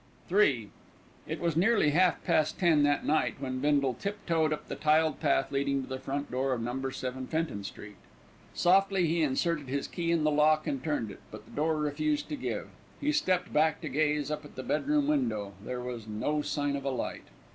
III It was nearly half past ten that night when Bindle tip toed up the tiled path leading to the front door of No. 7 Fenton Street. Softly he inserted his key in the lock and turned it; but the door refused to give. He stepped back to gaze up at the bedroom window; there was no sign of a light.